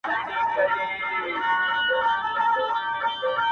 د اکټوبر پر اوومه نېټه -